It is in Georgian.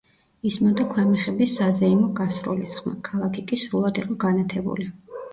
ისმოდა ქვემეხების საზეიმო გასროლის ხმა, ქალაქი კი სრულად იყო განათებული.